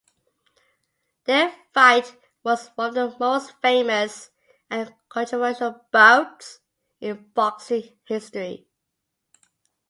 Their fight was one of the most famous and controversial bouts in boxing history.